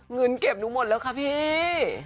เงินเก็บหนูหมดแล้วค่ะพี่